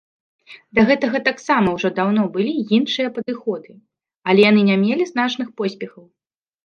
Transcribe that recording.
Да гэтага таксама ўжо даўно былі іншыя падыходы, але яны не мелі значных поспехаў.